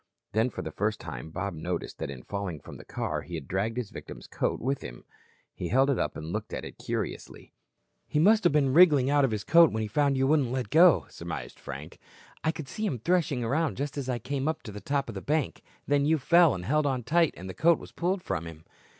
Then for the first time Bob noticed that in falling from the car he had dragged his victim's coat with him. He held it up and looked at it curiously. "He must have been wriggling out of his coat when he found you wouldn't let go," surmised Frank. "I could see him threshing around just as I came up to the top of the bank. Then you fell and held on tight and the coat was pulled from him."